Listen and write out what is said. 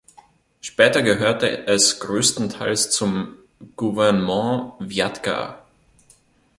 Später gehörte es größtenteils zum Gouvernement Wjatka.